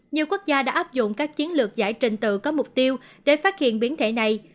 nhiều quốc gia đã áp dụng các chiến lược giải trình tự có mục tiêu để phát hiện biến thể này